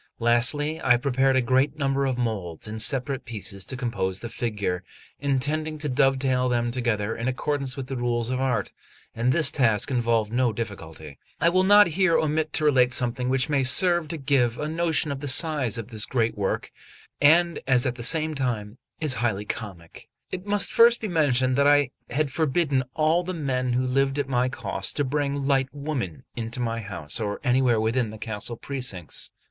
Lastly, I prepared a great number of moulds in separate pieces to compose the figure, intending to dovetail them together in accordance with the rules of art; and this task involved no difficulty. I will not here omit to relate something which may serve to give a notion of the size of this great work, and is at the same time highly comic. It must first be mentioned that I had forbidden all the men who lived at my cost to bring light women into my house or anywhere within the castle precincts.